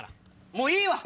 もういいわ！